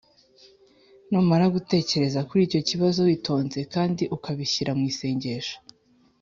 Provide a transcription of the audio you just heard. Numara gutekereza kuri icyo kibazo witonze kandi ukabishyira mu isengesho